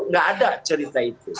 nggak ada cerita itu